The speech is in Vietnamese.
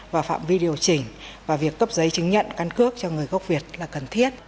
vào phạm vi điều chỉnh và việc cấp giấy chứng nhận căn cước cho người gốc việt là cần thiết